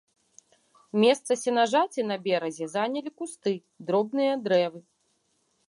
Месца сенажаці на беразе занялі кусты, дробныя дрэвы.